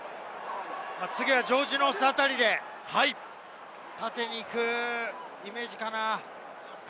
次はジョージ・ノースあたりで、縦に行くイメージかな？